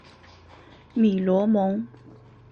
米罗蒙。